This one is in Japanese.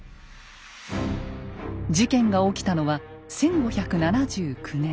事件が起きたのは１５７９年。